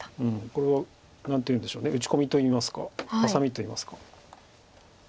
これは何ていうんでしょう打ち込みといいますかハサミといいますか。